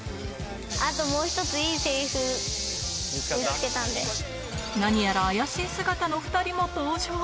あともう１ついいせりふ見つ何やら怪しい姿の２人も登場。